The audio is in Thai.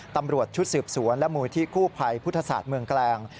ตำรวจชุดสืบสวนและมูลที่กู้ภัยพุทธศาสตร์เมืองแกลง